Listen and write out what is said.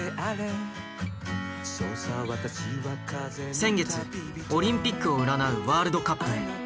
先月オリンピックを占うワールドカップへ。